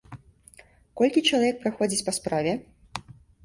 Колькі чалавек праходзіць па справе?